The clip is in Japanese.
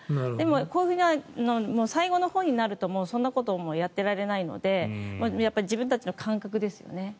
でも、こういう最後のほうになるとそんなことやってられないので自分たちの感覚ですよね。